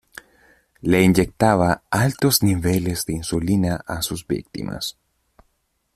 Le inyectaba altos niveles de insulina a sus víctimas.